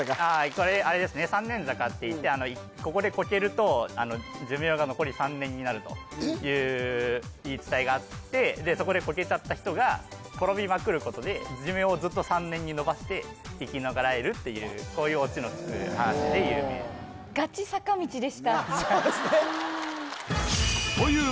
これあれですね三年坂っていってここでコケると寿命が残り３年になるという言い伝えがあってでそこでコケちゃった人が転びまくることで寿命をずっと３年に伸ばして生きながらえるっていうこういうオチのつく話で有名そうですねということでファーストステージは